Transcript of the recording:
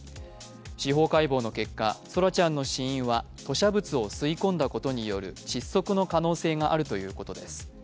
司法解剖の結果、奏良ちゃんの死因は吐しゃ物を吸い込んだことによる窒息の可能性があるということです。